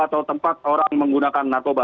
atau tempat orang menggunakan narkoba